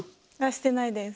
してないです。